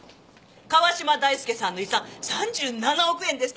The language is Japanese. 川嶋大介さんの遺産３７億円ですって！